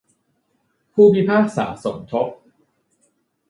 ผู้พิพากษาสมทบ